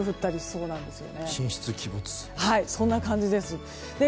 そんな感じです。